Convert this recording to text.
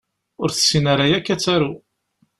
Ur tessin ara yakk ad taru